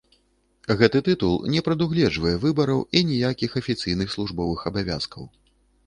Гэты тытул не прадугледжвае выбараў і ніякіх афіцыйных службовых абавязкаў.